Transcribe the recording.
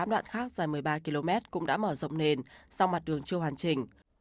một mươi tám đoạn khác dài một mươi ba km cũng đã mở rộng nền song mặt đường chưa hoàn chỉnh